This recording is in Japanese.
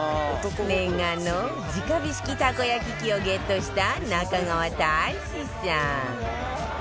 念願の直火式たこ焼き器をゲットした中川大志さん